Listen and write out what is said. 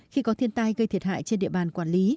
khi có thiên tai gây thiệt hại trên địa bàn quản lý